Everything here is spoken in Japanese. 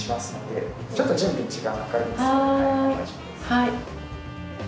はい。